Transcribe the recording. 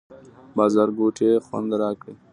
بازارګوټي یې خوند راکړ.